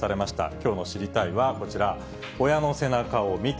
きょうの知りたいッ！はこちら、親の背中を見て。